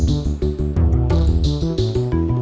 ledang ledang ledang